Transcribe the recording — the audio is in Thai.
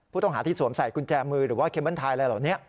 ผู้ต้องหาที่สวมใส่กุญแจมือหรือว่าเคเบิ้ลไทยอะไรเหล่านี้